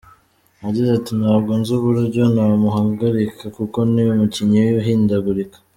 Yagize ati “Ntabwo nzi uburyo namuhagarika kuko ni umukinnyi uhindagurika.